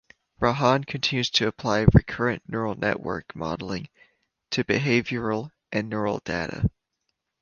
Rajan continues to apply recurrent neural network modelling to behavioral and neural data.